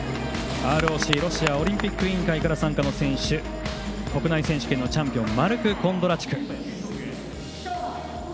ＲＯＣ＝ロシアオリンピック委員会から参加の選手国内選手権のチャンピオンマルク・コンドラチュク。